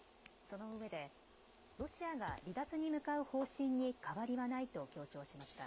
そのうえでロシアが離脱に向かう方針に変わりはないと強調しました。